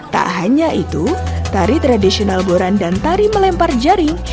tak hanya itu tari tradisional boran dan tari melempar jaring